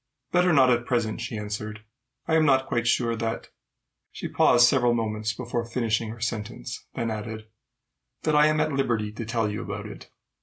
"Better not at present," she answered. "I am not quite sure that" She paused several moments before finishing her sentence, then added, " that I am at liberty to tell you about it."